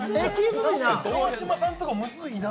川島さんのとこ、ムズいな。